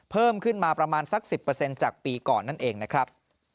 เพิ่มขึ้นมาประมาณสัก๑๐จากปีก่อนนั่นเองนะครับ